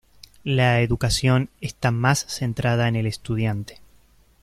La educación está más centrada en el estudiante.